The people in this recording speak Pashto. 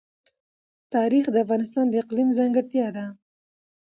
تاریخ د افغانستان د اقلیم ځانګړتیا ده.